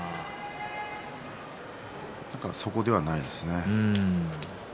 だからそこではないですね。